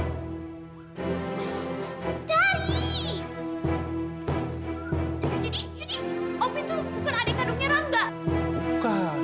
jadi jadi opi itu bukan adik kandungnya rangga